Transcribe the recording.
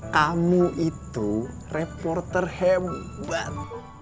kamu itu reporter hebat